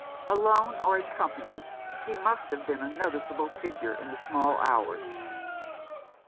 Alone, or in company, she must have been a noticeable figure in the small hours.